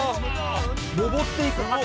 上っていく橋。